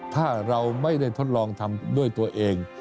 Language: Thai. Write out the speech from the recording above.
ถ้าเราไม่ได้ทดลองทำด้วยตัวเอง